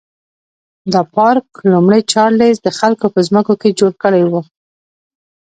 دا پارک لومړي چارلېز د خلکو په ځمکو کې جوړ کړی و.